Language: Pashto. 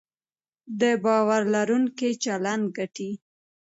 د باور لرونکي چلند ګټې